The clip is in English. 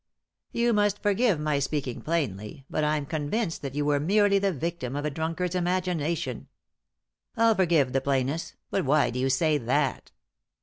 You must forgive my speaking plainly, but I'm convinced that you were merely the victim of a drunkard's imagination." "I'll forgive the plainness; but why do you say that?"